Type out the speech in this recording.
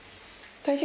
大丈夫